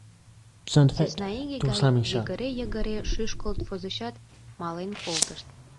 Сӧсна иге гай йыгыре-йыгыре шӱшкылт возычат, мален колтышт.